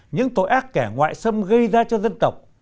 những tội ác kẻ ngoại xâm gây ra cho dân tộc